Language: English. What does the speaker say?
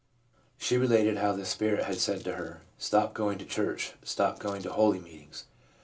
She related how the Spirit had said to her :* Stop going to church. Stop going to holiness meetings.